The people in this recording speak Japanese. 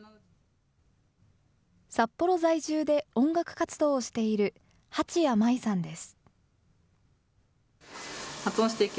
札幌在住で音楽活動をしている八谷麻衣さんです。